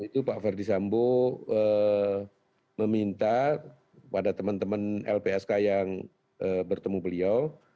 itu pak ferdi sambo meminta pada teman teman lpsk yang bertemu beliau